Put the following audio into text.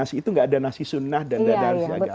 itu tidak ada nasi sunnah dan dada